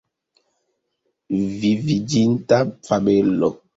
Viviĝinta fabelo.